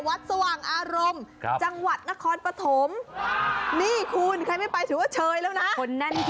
สว่างอารมณ์จังหวัดนครปฐมนี่คุณใครไม่ไปถือว่าเชยแล้วนะ